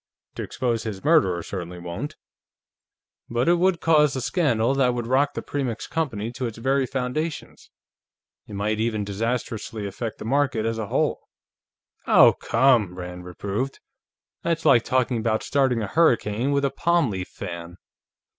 To expose his murderer certainly won't. But it would cause a scandal that would rock the Premix Company to its very foundations. It might even disastrously affect the market as a whole." "Oh, come!" Rand reproved. "That's like talking about starting a hurricane with a palm leaf fan."